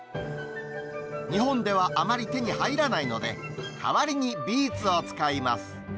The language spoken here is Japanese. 日本ではあまり手に入らないので、代わりにビーツを使います。